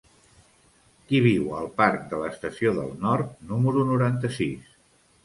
Qui viu al parc de l'Estació del Nord número noranta-sis?